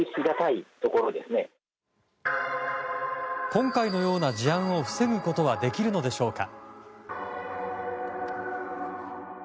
今回のような事案を防ぐことはできるのでしょうか。